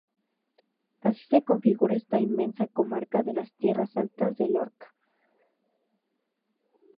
Así se configura esta inmensa comarca de las Tierras Altas de Lorca.